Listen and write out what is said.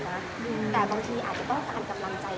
แต่บางทีอาจควรกำลังใจ